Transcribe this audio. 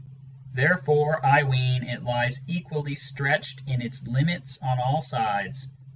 Therefore, I ween, it lies equally stretched in its limits on all sides.